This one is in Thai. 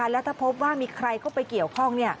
แล้วถ้าพบว่ามีใครเข้าไปเกี่ยวข้อง